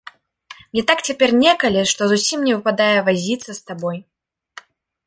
Мне так цяпер некалі, што зусім не выпадае вазіцца з табой.